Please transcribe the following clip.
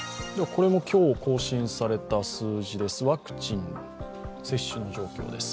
これも今日更新された数字です。